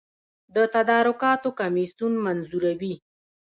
د تدارکاتو کمیسیون منظوروي